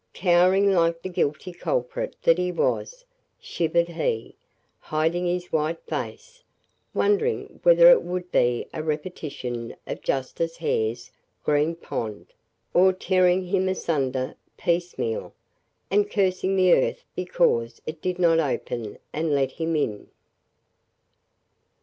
Cowering like the guilty culprit that he was, shivered he, hiding his white face wondering whether it would be a repetition of Justice Hare's green pond, or tearing him asunder piecemeal and cursing the earth because it did not open and let him in!